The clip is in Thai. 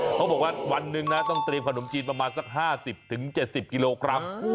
เขาบอกว่าวันหนึ่งนะต้องเตรียมขนมจีนประมาณสัก๕๐๗๐กิโลกรัม